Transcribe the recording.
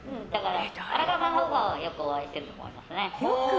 荒川さんのほうがよくお会いしてると思います。